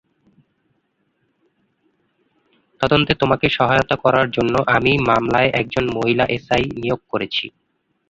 তদন্তে তোমাকে সহায়তা করার জন্য, আমি মামলায় একজন মহিলা এসআই নিয়োগ করেছি।